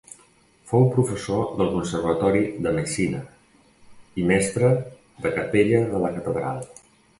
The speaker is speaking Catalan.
Fou professor del Conservatori de Messina i mestre de capella de la catedral.